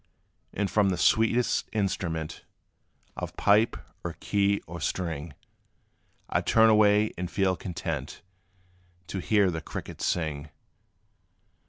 And from the sweetest instrument Of pipe, or key, or string, I 'd turn away, and feel content To hear the crickets sing.